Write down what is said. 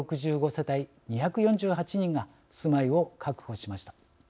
世帯２４８人が住まいを確保しました。